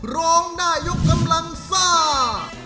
ร้องได้ยกกำลังซ่า